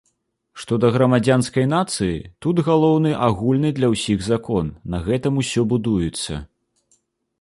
Што да грамадзянскай нацыі, тут галоўны агульны для ўсіх закон, на гэтым усё будуецца.